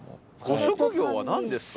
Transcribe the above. ご職業は何ですか？